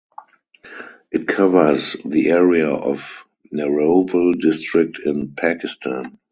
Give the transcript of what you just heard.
It covers the area of Narowal District in Pakistan.